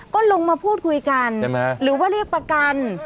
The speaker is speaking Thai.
ก็ลงมาพูดคุยกันหรือว่าเรียกประกัน